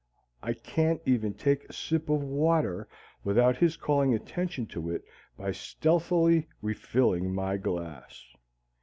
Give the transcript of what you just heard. I can't even take a sip of water without his calling attention to it by stealthily refilling my glass.